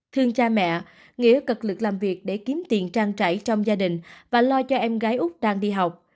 thương cha mẹ nghĩa cực lực làm việc để kiếm tiền trang trải trong gia đình và lo cho em gái úc đang đi học